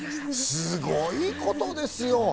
すごいことですよ。